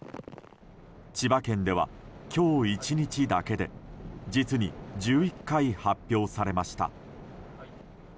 千葉県では、今日１日だけで実に１１回発表されました。